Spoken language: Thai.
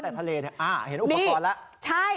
แต่ทะเลเนี่ยอ้าวเห็นอุปกรณ์ละ